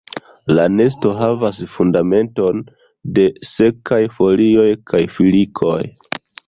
La nesto havas fundamenton de sekaj folioj kaj filikoj.